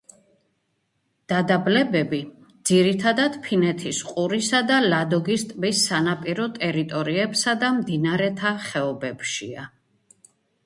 დადაბლებები ძირითადად ფინეთის ყურისა და ლადოგის ტბის სანაპირო ტერიტორიებსა და მდინარეთა ხეობებშია.